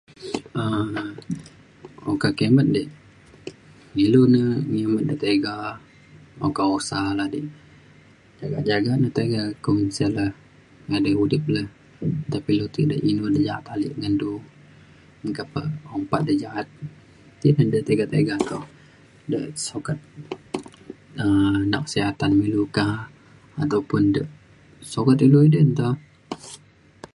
um okak kimet di ilu ne ngimet de tiga okak usa le di jaga jaga ne tiga kum sek le ngadi udip le tapi le ti inu de ja’at ale ngan du meka pe ompak de ja’at ti ngan de tiga tiga kulo de sukat um nak kesihatan me ilu ka ataupun de sukat ilu edei nta